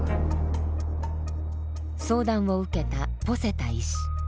相談を受けたポセタ医師。